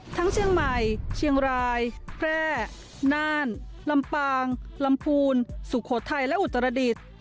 เชียงใหม่เชียงรายแพร่น่านลำปางลำพูนสุโขทัยและอุตรดิษฐ์